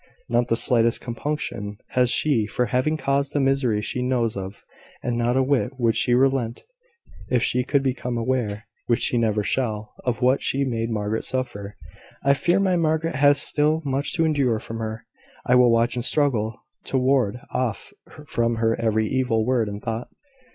Not the slightest compunction has she for having caused the misery she knows of: and not a whit would she relent, if she could become aware (which she never shall) of what she made Margaret suffer. I fear my Margaret has still much to endure from her. I will watch and struggle to ward off from her every evil word and thought.